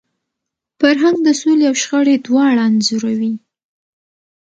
فرهنګ د سولي او شخړي دواړه انځوروي.